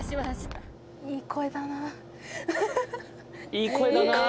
いい声だなあ。